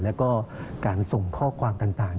แล้วก็การส่งข้อความต่าง